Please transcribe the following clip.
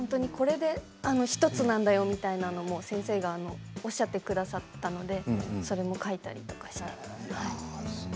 これで１つなんだよみたいなことを先生がおっしゃってくださったのでそれも書いたりとかして。